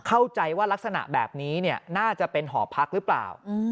เข้าใจว่ารักษณะแบบนี้น่าจะเป็นหอพักหรือเปล่า